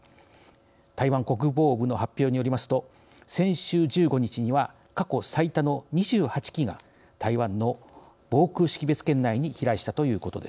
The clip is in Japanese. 台湾国防部の発表によりますと先週１５日には過去最多の２８機が台湾の防空識別圏内に飛来したということです。